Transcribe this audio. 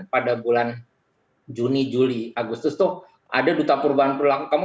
pada bulan juni juli agustus tuh ada duta perubahan perilaku kamu